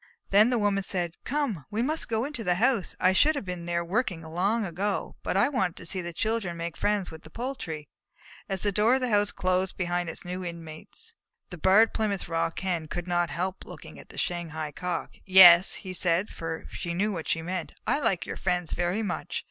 Then the Woman said: "Come, we must go into the house! I should have been there working long ago, but I wanted to see the children make friends with the poultry." As the door of the house closed behind its new inmates, the Barred Plymouth Rock Hen could not help looking at the Shanghai Cock. "Yes," he said, for he knew what she meant, "I like your friends very much.